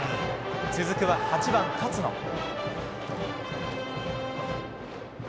続くは８番、勝野。